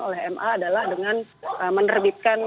oleh ma adalah dengan menerbitkan